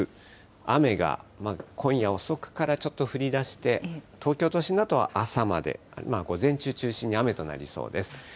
雨が今夜遅くからちょっと降りだして、東京都心だと朝まで、午前中中心に雨となりそうです。